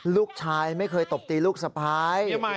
ลูกชายไม่เคยตบตีลูกสะพ้าย